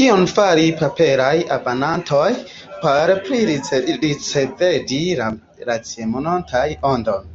Kion faru paperaj abonantoj por plu ricevadi la ĉiumonatan Ondon?